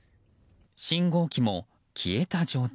信号機も消えた状態。